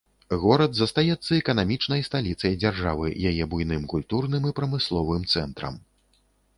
Горад застаецца эканамічнай сталіцай дзяржавы, яе буйным культурным і прамысловым цэнтрам.